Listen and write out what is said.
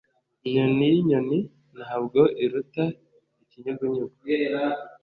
Inyoni yinyoni ntabwo iruta ikinyugunyugu